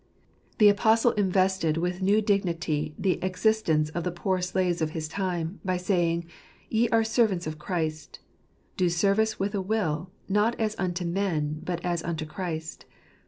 The Apostle invested with new dignity the existence of the poor slaves of his time, by saying, "Ye are servants of Christ : do service with a will, not as unto men, but as unto Christ."